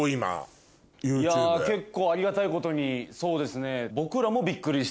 いや結構ありがたいことにそうですね。